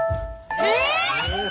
え！？